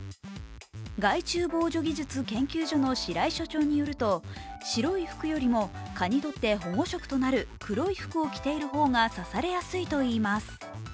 害虫防除技術研究所の白井所長によると白い服よりも蚊にとって保護色となる黒い服を着ている方が刺されやすいといいます。